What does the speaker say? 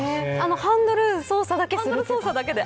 ハンドル操作だけで。